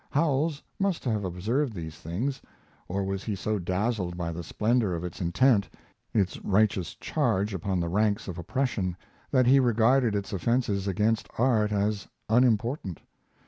Howells must have observed these things, or was he so dazzled by the splendor of its intent, its righteous charge upon the ranks of oppression, that he regarded its offenses against art as unimportant.